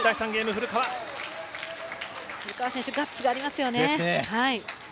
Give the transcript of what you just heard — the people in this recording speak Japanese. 古川選手ガッツがありますよね。